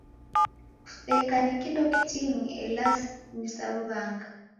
Kuseka ni kindo kitini ela ni sa w'ughanga.